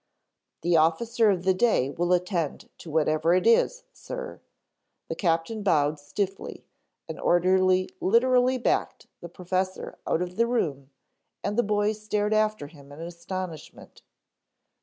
"The officer of the day will attend to whatever it is, Sir." The Captain bowed stiffly, an orderly literally backed the professor out of the room and the boys stared after him in astonishment.